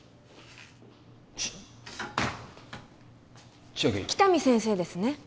ち千晶喜多見先生ですね